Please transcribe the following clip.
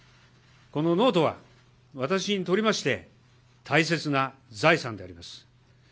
このノートは私にとりまして、大切な財産であります。